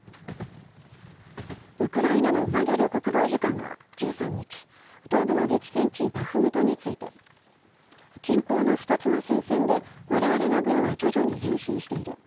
ウクライナのマリャル国防次官は１３日、東部の激戦地バフムトについて、近郊の２つの戦線でわれわれの軍は徐々に前進している。